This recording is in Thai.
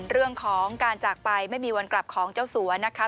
เรื่องของการจากไปไม่มีวันกลับของเจ้าสัวนะคะ